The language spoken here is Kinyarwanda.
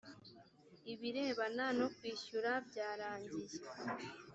ibirebana nokwishyura byarangiye